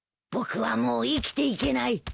僕はもう生きていけない。